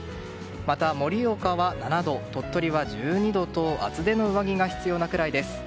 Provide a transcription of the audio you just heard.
また、盛岡は７度鳥取は１２度と厚手の上着が必要なくらいです。